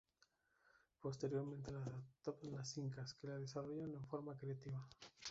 Posteriormente la adoptan los Incas, que la desarrollan en forma creativa.